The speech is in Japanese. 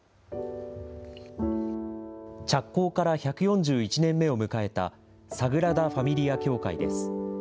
着工から１４１年目を迎えたサグラダ・ファミリア教会です。